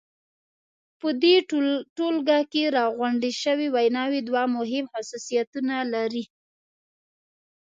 په دې ټولګه کې راغونډې شوې ویناوی دوه مهم خصوصیتونه لري.